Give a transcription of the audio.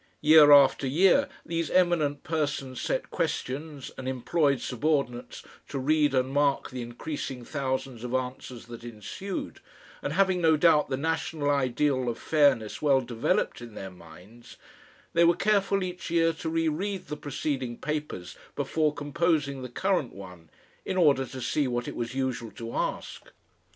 Year after year these eminent persons set questions and employed subordinates to read and mark the increasing thousands of answers that ensued, and having no doubt the national ideal of fairness well developed in their minds, they were careful each year to re read the preceding papers before composing the current one, in order to see what it was usual to ask.